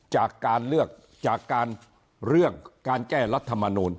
จากการเลือกจากการเรื่องการแก้รัฐมนูล